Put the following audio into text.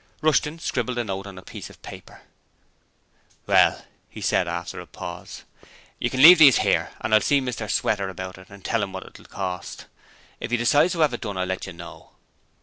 Rushton scribbled a note on a piece of paper. 'Well,' he said, after a pause, 'you can leave these 'ere and I'll see Mr Sweater about it and tell 'im what it will cost, and if he decides to have it done I'll let you know.'